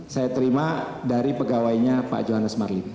saya terima dari pegawainya pak johannes marlim